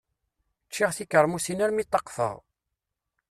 Ččiɣ tikeṛmusin armi taqfeɣ.